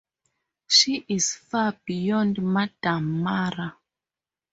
She is far beyond Madame Mara.